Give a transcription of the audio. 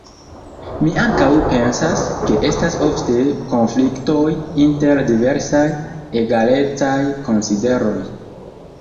Mi ankaŭ pensas, ke estas ofte konfliktoj inter diversaj egalecaj konsideroj.